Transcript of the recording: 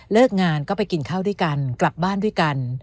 งานก็ไปกินข้าวด้วยกันกลับบ้านด้วยกัน